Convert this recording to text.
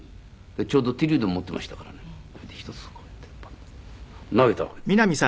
ちょうど手榴弾持っていましたからね１つこうやってバッ投げたわけですよ。